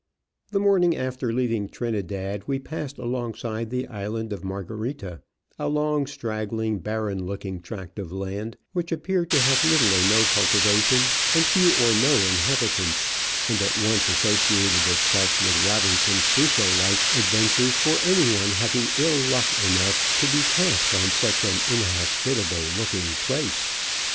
The morning after leaving Trinidad we passed alongside the island of Margarita — a long, straggling, barren looking tract of land, which appeared to have little or no cultivation and few or no inliabitants, and at once associated with itself Robinson Crusoe like adventures for anyone having ill luck enough to be cast on such an inhospitable looking place.